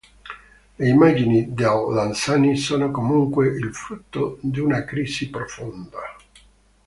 Le immagini del Lanzani sono comunque il frutto di una crisi profonda.